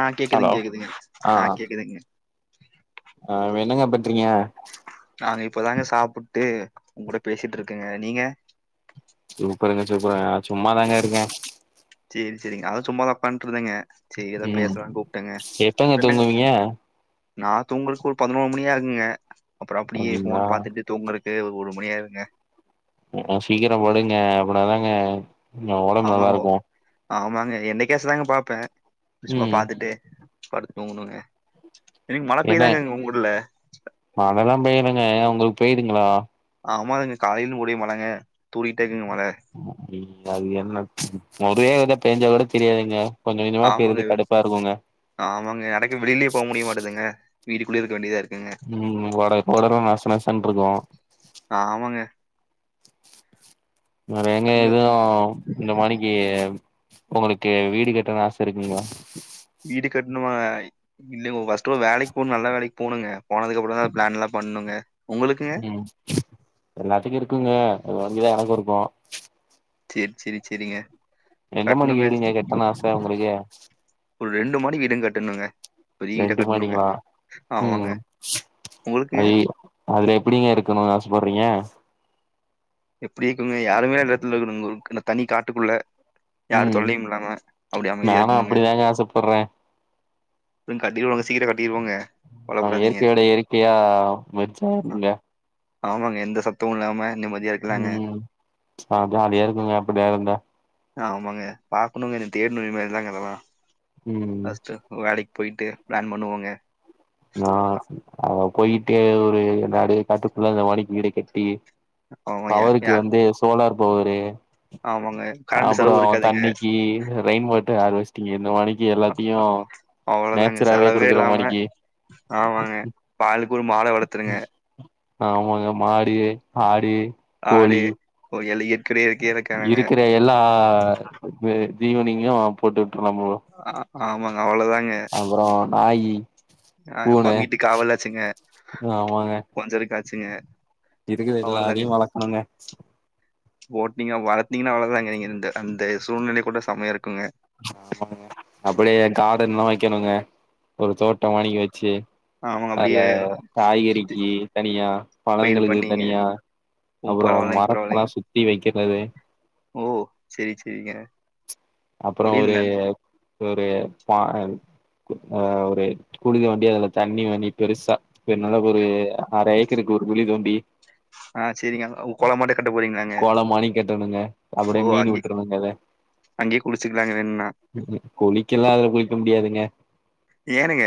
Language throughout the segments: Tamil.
ஆ ங்களா கேக்குதுங்க கேக்குதுங்க ஆ கேக்குதுங்க ஆ என்னங்க பண்றீங்க நாங்க இப்பதாங்க சாப்புட்டு உங்குட பேசிட்டு இருக்கங்க நீங்க சூப்பருங்க சூப்பருங்க நா சும்மாதாங்க இருக்க செரி செரிங்க அத சும்மா தா உக்கான்ட்டு இருந்தங்க செரி ஏதா ம் பேசலானு கூப்ட்டேங்க எப்பங்க என்னங்க தூங்குவீங்க நா தூங்குறதுக்கு ஒரு பதினோரு மணி ஆகுங்க அப்புறோ அப்டியே அப்டிங்களா போன பாத்துட்டு தூங்குறக்கு ஒரு மணி ஆயிருங்க உம் சீக்கிரோ படுங்க அவ்வளாதாங்க ஆமாங்கோ ஆமாங்க என்னைகேசதாங்க பாப்பே சும்மா ம் பாத்துட்டு படுத்து தூங்கணுங்க இன்னிக்கு மள பெய்தாங்க உங்க ஊர்ல மளலா பேய்யிளங்க உங்களுக்கு பேய்துங்களா ஆமாங்க காலைலயிலுந்து ஒரே மளங்க தூரிட்டே இருக்குங்க மழ அது என்ன ஒரே அடியா பெஞ்சாக் கூட தெரியாதுங்க கொஞ்ச கொஞ்சமா ஆமாங்க பேய்ரது கடுப்பா இருக்குங்க ஆமாங்க எனக்கு வெளியிலயே போக முடிய மாட்டதுங்க வீட்டுக்குள்ளே இருக்க வேண்டியதா இருக்குங்க ம் வட கொடல்லா நச நசனு இருக்கு ஆமாங்க அது ஏங்க அங்க எது இந்த மாணிக்கு உங்களுக்கு வீடு கட்டுனுன்னு ஆச இருக்குங்களா வீடு கட்ணுமா இல்லைங்க ஃபர்ஸ்ட் ஒரு வேலைக்கு போனு நல்லா வேலைக்கு போணுங்க போனதுக்கப்புறோ தா பிளான் எல்லா பண்ணுங்க உங்களுக்குங்க ம் எல்லாத்துக்கு இருக்குங்க அது மாரிக்குதா எனக்கு இருக்கு செரி செரி செரிங்க எந்த மாரி வீடு இங்க கட்டனு ஆச உங்களுக்கு ஒரு ரெண்டு மாடி வீடு கட்டணுங்க பெரிய வீடா ரெண்டு கட்டணுங்க மாடிங்ளா ஆமாங்க ம் உங்களுக்குங்க அய் அதுல எப்படிங்க இருக்கணுனு ஆசப்படறிங்க எப்டி இருக்குங்க யாருமே இல்லா எடத்துல இருக்கனுங்க ஒரு இந்த தனி காட்டுக்குள்ள யார் ம் தொல்லையு இல்லாம அப்டி அமைதியா நானு இருக்கணுங்க அப்டிதாங்க ஆசப்பட்றே கட்டிருவோங்க சீக்கரோ கட்டிருவோங்க ஆ கவலப்படாதீங்க இயற்கையோட இயற்கையா மெர்ஜாய்ரனுங்க ஆமாங்க எந்த சத்தமு இல்லாம நிம்மதியா இரு ம் ஆ ஜாலியா இருக்குங்க அப்படியே இருந்தா ஆமாங்க பாக்கணுங்க இனி தேடணுங்க இனிமேல்தாங்க அதெல்லா ம் ஃபஸ்ட்டு வேலைக்கு போய்ட்டு பிளான் பண்ணுவோங்க நா அங்க போயிட்டு ஒரு நடு காட்டுக்குள்ள அந்த மானிக்கி வீடு கட்டி ஆமா பவருக்கு யார் வந்து சோலார் பவரு ஆமாங்க கரண்ட் அப்றோ செலவு இருக்காதுங்க தண்ணிக்கு ரெயின் வாட்டர் ஹார்வெஸ்டிங்கு இந்த மாணிக்கு எல்லாத்தையு அவ்வளோதாங்க நேச்சராவே செலவே குடுக்குற இல்லாம மானிக்கி ஆமாங்க பாலுக்கு ஒரு மாட வளத்துருங்க ஆமாங்க மாடு ஆடு ஆடு கோயலு இக்ரு இருக்கற எல்லா அ ஜீவனிங்கு போட்டு விட்டர்றோ ப்ரோ அ ஆமாங்க அவ்வளதாங்க அப்பறோ நாயி ஆ பூன வ வீட்டு காவலாச்சுங்க ஆமாங்க கொஞ்சருக்காச்சுங்க இருக்குற எல்லாத்தயு வளக்கணுங்க ஓட்னிங்க வளத்திங்னா அவ்ளதாங்க நீங்க இந்த அந்த சூழ்நிலை கூட செமயா இருக்குங்க ஆமாங்க அப்படியே காடன்லா வெக்கணுங்க ஒரு தோட்டோ மானிக்கி வெச்சு ஆமாங்க அதுல அப்டியே சுத்தி காய்கறிக்கு தனியா பயிர் பழங்களுக்கு பண்ணீங்க. தனியா ஓ அப்றோ பரவாயில்லைங்க மரத்தெல்லா பரவாயில்லைங்க. சுத்தி வெக்கிறது ஓ செரி செரிங்க அப்பற ஒரு ஒரு பா ஆ ஒரு குழி தோண்டி அதுல தண்ணி வண்ணி பெருசா என்னள ஒரு அர ஏக்கருக்கு ஒரு குழி தோண்டி ஆ சரிங்க. ஓ கொல மாட்ட கட்ட போறீங்களாங்க? கொள மானி கெட்டணுங்க ஓ அப்டியே மீனு விட்றணுங்க அத அங்கே குளிச்சிகிலாங்க வேனுன்னா குளிக்கலா அதுல குளிக்க முடியாதுங்க ஏனுங்க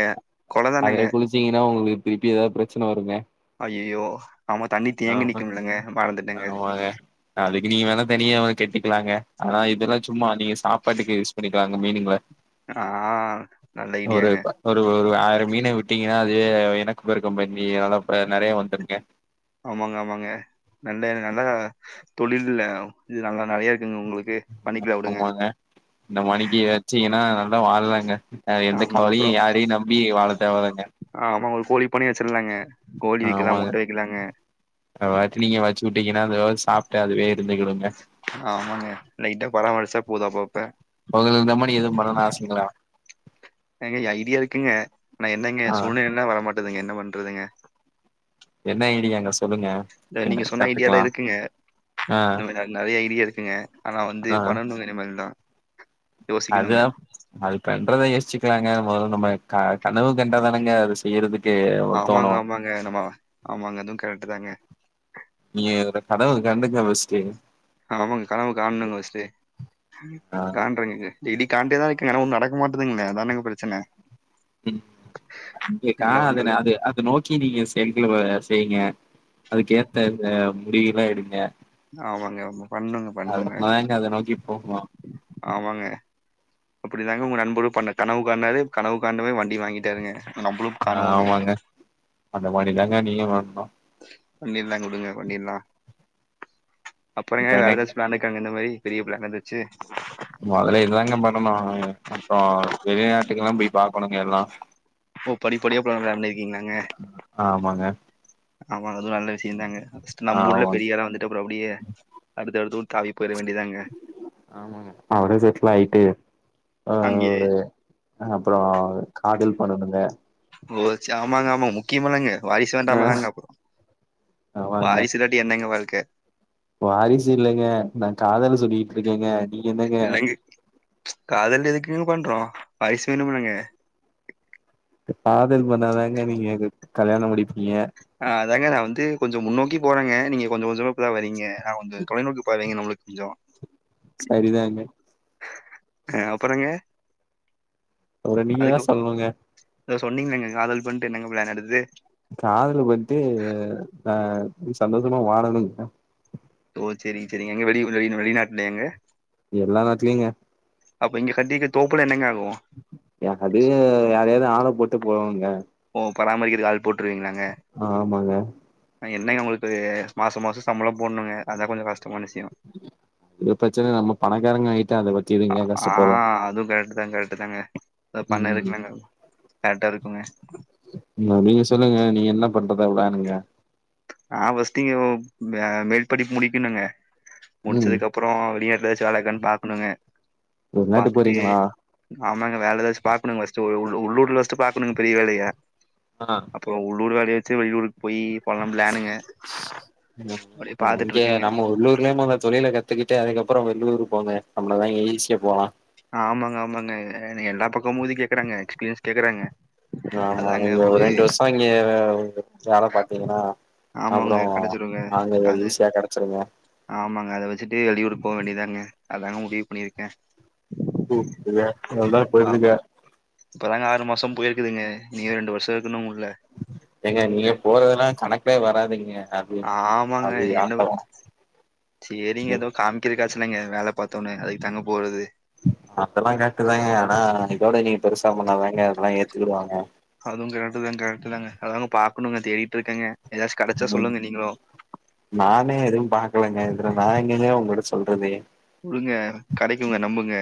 கொளதானுங்க ங்கனா உங்களுக்கு திருப்பி ஏதாது பிரச்சன வருங்க அய்யய்யோ ஆமா தண்ணி தேங்கி ஆமா நிக்குமல்லங்க மறந்துட்டங்க ஆமாங்க அதுக்கு நீங்க வேணா தனியா எதா கட்டிக்கலாங்க ஆனா இதெல்லா சும்மா நீங்க சாப் பாட்டுக்க யூஸ் பண்ணிக்கலாங்க மீனுங்கள ஆ நல்ல ஒரு ஐடியாங்க ஒரு ஒரு ஆயிர மீன விட் டிங்கனா அதுவே எனப்பெருக்கம் பண்ணி நல்லா நெறையா வந்துருங்க ஆமாங்க ஆமாங்க நல்ல நல்லா தொழில்ல இது நாங்க நெறையா இருக்குங்க உங்ளுக்கு ஆமாங்க இந்த மணிக்கு வெச்சீங்கனா நல்லா வாழலாங்க எந்த ஆமாங்க கவலையு யாரையு நம்பி வாழ தேவ இல்லங்க ஆ ஆமா ஒங்க கோழி பண்ணயு வெச்சிரலாங்க கோழி விக்கலா முட்ட விக்கலாங்க ஆது நீங்க வச்சு விட்டீங்கனா அதுவே சாப்ட்டு அதுவே இருந்துக்கிடுங்க ஆமாங்க லைட்டா பராமரிச்சா போது அப்பப் ஓங்களுக்கு தம் அடிக்கனு எதுவு பண்னுனு ஆசைங்களா ஏங்க ஐடியா இருக்குங்க ஆனா என்னங்க ஆ சூழ்நெலதா வரமாட்டேதுங்க என்ன பண்றதுங்க என்ன ஐய்டியாங்க சொல்லுங்க இல்ல நீங்க சொன்ன ஐடியா லா கத்துக்கலா இருக்குங்க ஆ இந்த மாரி நெறையா ஐடியா இருக்குங்க ஆனா வந்து ஆ பண்ணணு இதேமர்தா அதா அது பண்றத யோச்சிக்கிலாங்க மொதோ நம்ம கனவு கண்டாதானங்க அது ஏறதுக்கு நமக்கு தோணு ஏனமா ஆமாங்க அதுவு கரெட்டுதாங்க நீங்க என்னோட கனவ கண்டுக்குங்க ஃபஸ்ட்டு ஆமாங்க கனவு கானுங்க ஃபர்ஸ்ட்டு ம் ஆ காண்றேங்கக இடி காண்டேதா இருக்குங்க ஆனா ஒன்னு நடக்க மாட்டதுங்ளே அதானங்க பிரச்சன ம் [inaudible] க்கா என்ன அதன பண்றது? அது அது நோ க்கி நீங்க செங்க்கல செய்ங்க அதுக்கு ஏத்த அ முடிவு எல்லா எடுங்க ஆமாங்க, ஆமா. பண்ணுங்க, பண்ணுங்க. அப்தங்க அத நோக்கி போகு ஆமாங்க அப்டிதாங்க உங்க நண்பரு பண்ண கனவுக்காண்டாரு கனவுக்காண்டவ வண்டி வாங்கிட்டாருங்க நம்பளுக் ஆமாங்க அந்த மாரி தாங்க நீங்க வரணு பண்ணிர்லாங்க வுடுங்க பண்ணிர்லா அப்பறங்க வேற வேணாங்க ஏதாச்சு பிளான் இருக்கங்க இந்த மாரி பெரிய பிளான் ஏதாச்சு முதல்ல இதுதாங்க பண்ணனு அப்றோ வெளிநாட்டுகல்லா போய் பாக்கணுங்க எல்லா ஓ படிப்படியா பிளா ப்ளான் பண்ணிருக்கீங்களாங்க ஆம்மாங்க ஆமாங் அதுவு நல்ல விஷயந்தாங்க ஃபர்ஸ்ட் நம்ப ஊர்ல ஆமாங்க பெரிய இட வந்துட் ட்டு அப்டியே அடுத்தடுத்து தாவி போயிர வேண்டியாதாங் ஆமாங்க அப்டே செட்லில்லாய்ட்டு ஆ அங்கேயே ஒரு அப்றோ காதல் பண்ணணுங்க ஓ ச ஆமா ஆமாங்க முக்கியமள்ளாங்க வாரிசு வேண்டாலாங்க ஆமாங்க வாரிசுல என்னங்க வாழ்க்க வாரிசு இல்லங்க நா காதல் சொல்லிட் இருக்கேங்க நீங்க என்னங்க இல்லங்க காதல் எதுக்குங் பண்றோ வயசு வேணும்லங்க காதல் பண்ணாதாங்க நீங்க இதுக் கல்யாணோ முடிப்பீங்க ஆ அதங்க நா வந்து கொஞ்ச முன்னோக்கி போறேங்க நீங்க கொஞ்ச கொஞ்சமா அதா வரிங்க நா கொஞ்ச தொலைநோக்கு பார்வைங்க நம்மளுக் கொஞ்சோ சரிதாங்க ஆ அப்பறங்க அப்றோ நீங்க தா சொல்னுங்க சொன்னீங்களாங்க காதல் பண்ட்டு என்னங்க பிளான் அடுத்து காதல் பண்ட்டு ஹ சந்தோஷமா வாழணுங்க ஓ செரிங் செரிங்க எங்க வெளி வெளி வெளிநாட்லையாங்க இது எல்லா நாட்லயிங்க அப்போ இங்க கட்டிர்க்க தோப்புல என்னங்க ஆகு யாராது யாரையாது ஆள போட்டு போவாங்க ஓ பராமரிக்கறது ஆள் போட்ருவீங்களாங் ஆமாங்க அ என்னங்க உங்களுக்கு மாச மாசோ சம்பளோ போட்ணுங்க அதா கொஞ்சோ கஷ்டமான விஷ்யோ இது பிரச்சனயில்ல நம்ம பணக்காரங்க ஆயிட்டா அத பத் அ ஆ அதுவு கர்ட்டு தா கர்ட்டு தாங்க தா பண்ண ம் இருக்குலங்க கரெக்டாருக்குங்க நா நீங்க சொல்லுங்க நீங்க என்ன பண்றதா பிளானுங்க நா ஃபர்ஸ்ட்டு இங்க மே மேல் படிப்பு முடிக்கனுங்க ம் முடிச்சதுக்கப்பறோ வெளிய எதாச்சு வேலக்கான் பாக்கணுங்க வெளிநாட்டு பாத்துட்டு போறீங்களா ஆமாங்க வேல எதாச்சு பாக்கணுங்க ஃபர்ஸ்ட்டு உ உ உள்ளூர்ல ஃபர்ஸ்ட்டு பாக்கணுங்க பெரிய வேலயா ஆ அப்றோ உள்ளூர் காலி ஆயிர்ச்சு வெளியூருக்கு போயி அப்டியே நம்ம பாத்துட்டு இங்க இருக்கேங்க நம்ம உள்ளூர்லே மொத தொழில க த்துகிட்டு அதுகப்றோ வெள்ளூர் போங்க நம்ளதா ஈசியா போலா ஆமாங்க ஆமாங்க எல்லா பக்கமு இது கேக்குறாங்க எக்ஸ்பீரியன்ஸ் கேக்குறாங்க ஆமா நீங்க ஒரு ரெண்டு வர்ஷோ இங்க வேல பாத்தீங்கன்னா அப்றோ ஆமாங்க கெடச்சிருங்க அங்க அது ஈசியா கெடச்சிருங்க ஆமாங்க அத வச்சிட்டு வெளியூரு போ வேண்டிதாங்க அதாங்க முடிவு பண்ணிருக்கே [inaudible] எல்லா போய்ருவிங்க இப்ப தாங்க ஆறு மாசோ போய்ருக்குதுங்க இனிதா ரெண்டு வர்ஷோருக்கு இன்னு முல்ல ஏங்க நீங்க போறதெல்லா கணக்லே வராதுங்க அது ஆமாங்க அது என்ன ஆட்டோ பண் சேரிங்க எதோ காம்க்கிறகாச்சுனாங்க வேல பாத்தோனு அதுக்கு தாங்க போறது அதெல்லா கரட்டுதாங்க ஆனா இதோட நீங்க பெருசா பண்ணாதாங்க அதெல்லா ஏத்துக்கிடுவாங்க அதுவு கரெக்டு தா கரெக்டு தாங்க அதாங்க பாக்கணுங்க தேடிட்ருக்கேங்க எதாச்சு கெடச்சா ம் சொல்லுங்க நீங்ளு நானே எது பாக்லேங்க இதுல நா எங்கெங்க உங்கள்ட்ட சொல்றது வுடுங்க கெடைக்குங்க நம்புங்க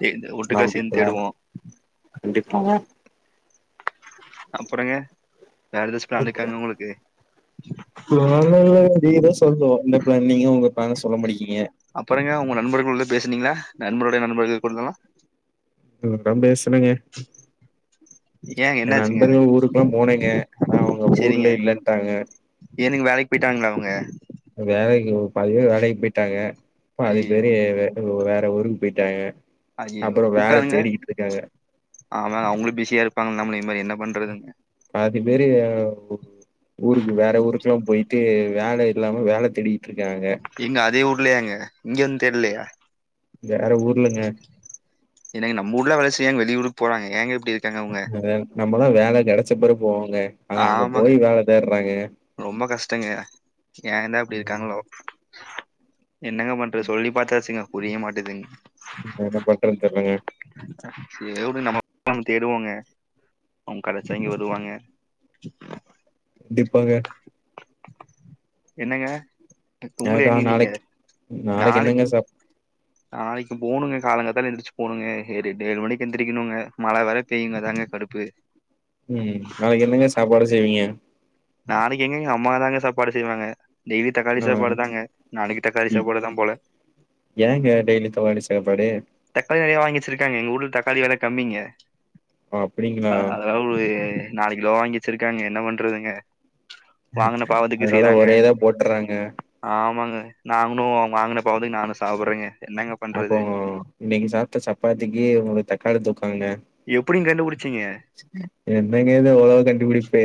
தே- இந்த ஒட்டுக்கா சேர்ந்து நம்பிக்க தேடுவோம் கண்டிப்பாங்க அப்றங்க பிளான் இருக்காங்க உங்களுக்கு பிளான்லா இல்லங்க நீங்க தா சொல்லனு என்ன பிளான் நீங்கதா உங்க பிளான சொல்ல மாட்டிக்கிறீங்க அப்றங்க உங்க நண்பர்கள்ளோட பேசுனீங்களா நண்பருடய நண்பர்கள்கூடலா [inaudible] பேசுனேங்க ஏங்க எ என்னாச்சுங்க நண்பர்கள் ஊருக்லா போனேங்க ஆனா அவுங்க சரிங்க ஊர்ல இல்லன்ட்டாங்க ஏனுங்க வேலைக் போய்ட்டாங்ளா அவுங்க வேலைக்கி பாதிபேர் வேலைக் போய்ட்டாங்க ஐயோ பாதிபேரு வேற ஊருக்கு போய்ட்டாங்க அப்றோ வேல தேடிக்கிட்ருக்காங்க ஆமாங்க அவுங்களு பிஸியாருப்பாங்கல நம்ம இனிமேல் என்ன பண்றதுங்க பாதி பேரு‌ ஊருக்கு வேற ஊருக்லா போயிட்டு வேல இல்லாம வேல தேடி ட்ருக்காங்க எங்க அதே ஊர்லயாங்க இங்க வந்தேட்லயா வேற ஊர்லங்க என்னங்க நம்ப ஊர்ல வேல செய்யாம வெளியூர்க்கு போறங்க ஏங்க இப்படி இருக்காங்க அவங்க நம்மதா வேல கெடச்ச பெறகு போவோங்க ஆன அங்க ஆமாங்க போய் வேல தேட்றாங்க ரொம்ப கஷ்டங்க ஏதா இப்டி இருக்காங்ளோ என்னங்க பண்றது சொல்லி பாத்தாச்சிங்க புரிய மாட்டேது என்ன பண்றதுன் தெர்லங்க சேரி உடு நமக்கு தேடுவோங்க கெடச்சா இங்க வருவாங்க ண்டிப்பாங்க என்னங்க உங்களே எனக்லா எண்ணி நீங்க நாளைக் நாளைக்கு என்னங்க சாப் நாளைக்கு போணுங்க காலங்காத்தால எந்திர்ச்சி போணுங்க ஏ ஏழு மணிக்கு எழுந்திரிகணுங்க மழ வேற பெய்யுங்க அதாங்க கடுப்பு ம் நாளைக்கு என்னங்க சாப்பாடு செய்வீங்க நாளகி எங்கங்க அம்மா தாங்க சாப்பாடு செய்வாங்க டெய்லி தக்காளி ஆ சாப்பாடு தாங்க நாளகி தக்காளி இ சாப்பாடுதா போல ஏங்க டெய்லி தக்காளி சாப்பாடு தக்காளி நெறய வாங்கிவச்சிருகாங்க எங்க ஊர்ல தக்காளி வெல கம்மிங்க ஓ அப்டிங்களா அதனால த வு ஒரு நாலு கிலோ வாங்கிவச்சிருகாங்க என்ன பண்றதுங்க வாங்ன பாவுத்துக்கு அதனால செய்றாங்க ஒரே இதா போட்டுறாங்க ஆமாங்க நாங்ணு வாங்குன பாவதுக்கு நானு சாப்புட்றங்க அப்போ நீங்க சாப்ட்ட சப்பாத்திக்கு உங்ளுக்கு தக்காளி தொக்காங்க எப்டிங்க கண்டுபுடிச்சீங்க என்னங்க இது இவ்ளோ கண்டுபிடிப்பு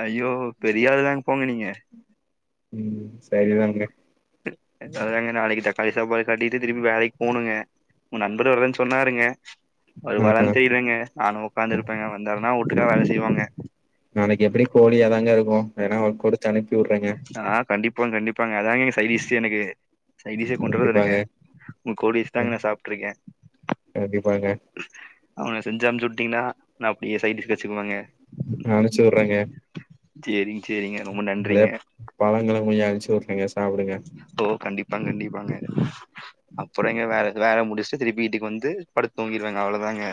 ஐயோ பெரியா ஆளு தா போங்க நீங்க ம் செரிதாங்க அ அதாங்க நாளைக்கி தாக்காளி சாப்பாடு கட்டிட்டு திருப்பி வேலைக்கி போணுங்க நண்பர் வருவேன் சொன்னாருங்க வருவாரன் ஆ தெரிலங்க நானு ஒக்காந்துருப்பேங்க வந்தாருன்னா ஒட்டுக்கா வேல செய்வோங்க நாளைக்கி எப்டியு கோழியாதாங்க இருக்கு வேனா ஒன் குடுத்து அனுப்பி உட்றங்க அ கண்டிப்பாங் கண்டிப்பாங்க அதாங்க இங்க சைடீஸ்ஸே எனக்கு சைடீஸே கொண்டுவரதே இல்லிங்க கண்டிப்பாங்க உங்க கோழி வச்சு தாங்க நா சாப்ட்ருக்கே கண்டிப்பாங்க அவன செஞ்சு அமிச்சு வுட்டீங்னா நா அப்டியே சைடீஸுக்கு வச்சுக்குவேங்க ம் அனுச்சி உட்றங்க சேரி சேரிங்க ரொம்ப நன்றிங்க பழங்களு கொஞ்ச அனுச்சு உட்ரங்க சாப்டுங்க ஓ கண்டிப்பாங் கண்டிப்பாங்க அப்றோ எங்க வேற வேல முடிச்ட்டு திருப்பி வீட்டுக்கு வந்து படுத் தூங்கிடுவேங்க அவ்ளோதாங்க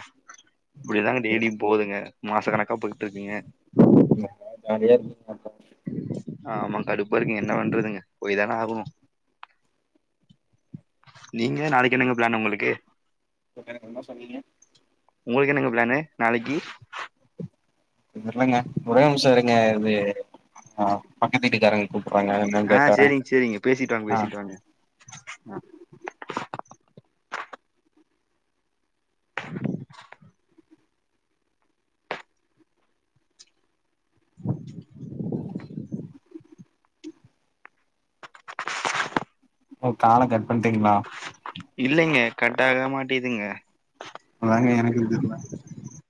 இப்டிதாங்க ம் டெய்லியு போதுங்க மாச கணக்கா பொய்ட்டு இருக்குங்க நறையா ஆமா கடுப்பா இருக்குங்க என்ன பண்றதுங்க போய் தானே ஆகுனு நீங்க நாளைக்கு என்னங்க ப்ளான் ஒங்களுக்கு இப்போ எனக்கு உன்ம சொன்னீங்க ஒங்ளுக்கு என்னங்க ப்ளானு நாளைக்கி [unintelligible] ஒரேநிம்சோ இருங்க இது அ பக்கத்து வீட்டுக்காரங்க கூப்புட்றாங்க என்னன் ஆ கேட்டுவரே சேரிங்க சேரிங்க பேசிட்டு வாங்க அ பேசிட்டு வாங்க ஆ, [inaudible] ஓ கால கட் பண்டீங்களா இல்லங்க கட் ஆக மாட்டேதுங்க அதாங்க எனக்கு தெர்ல